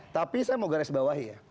tapi saya mau garis bawahi ya